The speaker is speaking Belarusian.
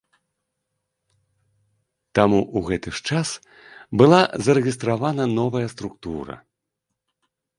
Таму ў гэты ж час была зарэгістравана новая структура.